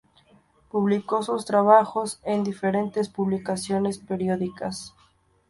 Publicó sus trabajos en diferentes publicaciones periódicas.